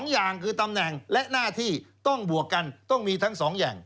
อย่างคือตำแหน่งและหน้าที่ต้องบวกกันต้องมีทั้ง๒อย่าง